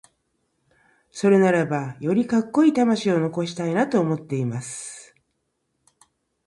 それならばよりカッコイイ魂を残したいなと思っています。